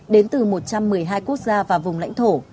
đến từ một trăm một mươi hai quốc gia và vùng lãnh thổ